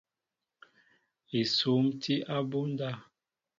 Esŭm tí abunda.